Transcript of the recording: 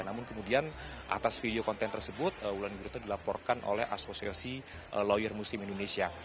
namun kemudian atas video konten tersebut wulan gurita dilaporkan oleh asosiasi lawyer muslim indonesia